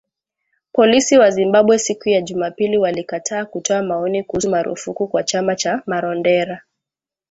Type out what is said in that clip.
Polisi wa Zimbabwe siku ya Jumapili walikataa kutoa maoni kuhusu marufuku kwa chama huko Marondera